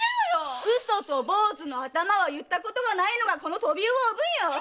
嘘と坊主の頭はゆったことがないのがこの“飛び魚・おぶん”よ！